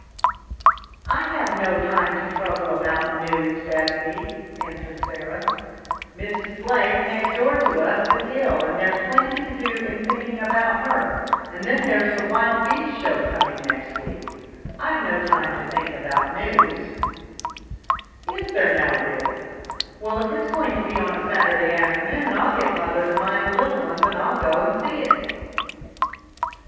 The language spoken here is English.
" I have no time to trouble about news, Betsy," answered Sarah. " Mrs. Blake, next door to us, is ill, and there's plenty to do in thinking about her, WELL, LOOK AT YOUR BABY S LEGS, SAID BETSY. P. I VIL] THE BABY'S LEGS. 81 and then there's the wild beast show coming next week. I've no time to think about news." " Is there now, really ? Well, if it's going to be on a Saturday afternoon, I'll get mother to mind the little ones and I'll go and see it."